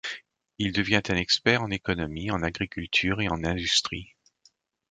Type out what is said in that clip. Il devient un expert en économie, en agriculture et en industrie.